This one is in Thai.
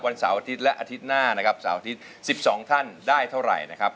เสาร์อาทิตย์และอาทิตย์หน้านะครับเสาร์อาทิตย์๑๒ท่านได้เท่าไหร่นะครับ